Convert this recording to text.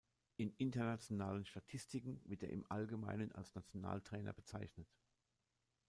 In internationalen Statistiken wird er im Allgemeinen als Nationaltrainer bezeichnet.